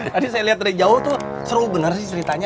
tadi saya lihat dari jauh tuh seru benar sih ceritanya